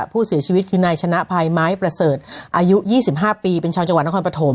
ผู้เสียชีวิตคือนายชนะภัยไม้ประเสริฐอายุ๒๕ปีเป็นชาวจังหวัดนครปฐม